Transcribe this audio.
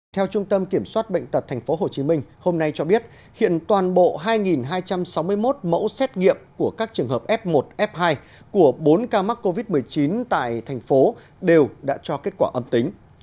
theo trung tâm kiểm soát bệnh tật tp hcm hôm nay cho biết hiện toàn bộ hai hai trăm sáu mươi một mẫu xét nghiệm của các trường hợp f một f hai của bốn ca mắc covid một mươi chín tại thành phố đều đã cho kết quả âm tính